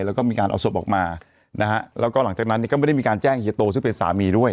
แล้วก็มีการเอาศพออกมานะฮะแล้วก็หลังจากนั้นเนี่ยก็ไม่ได้มีการแจ้งเฮียโตซึ่งเป็นสามีด้วย